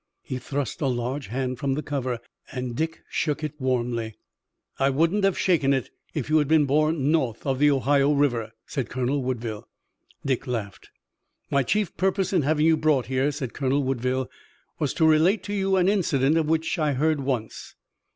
He thrust a large hand from the cover, and Dick shook it warmly. "I wouldn't have shaken it if you had been born north of the Ohio River," said Colonel Woodville. Dick laughed. "My chief purpose in having you brought here," said Colonel Woodville, "was to relate to you an incident, of which I heard once.